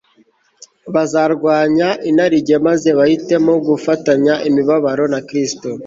bazarwanya inarijye maze bahitemo gufatanya imibabaro na Kristo